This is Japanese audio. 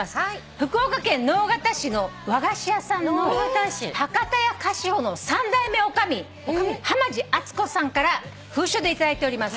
福岡県直方市の和菓子屋さんの博多屋菓子舗の３代目女将濱司厚子さんから封書で頂いております。